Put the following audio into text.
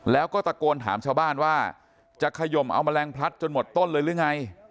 แล้วก็ตะโกนถามชาวบ้านว่าจะขยมเอาแมลงพลัดจนหมดต้นเลยหรือไง